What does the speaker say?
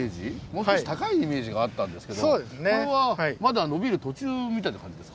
もう少し高いイメージがあったんですけどこれはまだ伸びる途中みたいな感じですか？